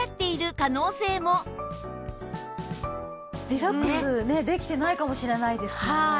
リラックスできてないかもしれないですね。